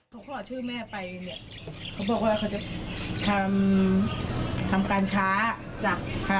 เขาขอชื่อแม่ไปเนี่ยเขาบอกว่าเขาจะทำทำการค้าจ้ะ